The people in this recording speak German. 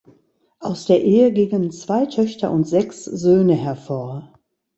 Aus der Ehe gingen zwei Töchter und sechs Söhne hervor.